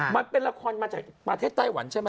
มันเป็นละครมาจากประเทศไต้หวันใช่ไหม